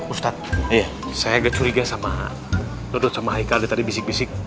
ustaz saya agak curiga sama dut sama haikal dia tadi bisik bisik